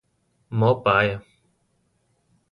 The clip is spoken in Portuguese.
Mó paia